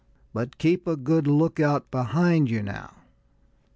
"But keep a good lookout behind you now."